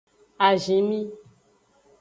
Azinmi.